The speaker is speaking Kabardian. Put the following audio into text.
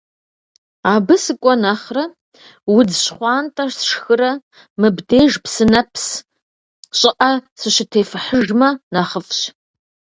Абы сыкӀуэ нэхърэ, удз щхъуантӀэ сшхырэ, мыбдеж псынэпс щӀыӀэ сыщытефыхьыжмэ, нэхъыфӀщ.